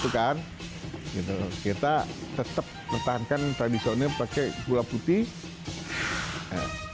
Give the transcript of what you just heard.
kita tetap mentahankan tradisionalnya pakai gula putih